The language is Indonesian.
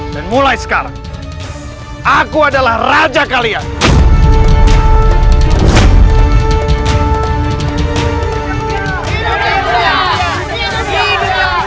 dan mulai sekarang aku adalah raja kalian